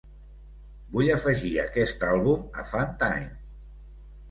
Vull afegir aquest àlbum a funtime.